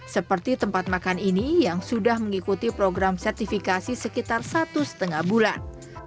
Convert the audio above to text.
seperti tempat makan ini yang sudah mengikuti program sertifikasi sekitar satu lima bulan